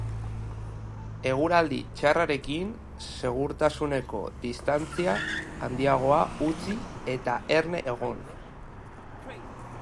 Eguraldi txarrarekin, segurtasuneko distantzia handiagoa utzi eta erne egon.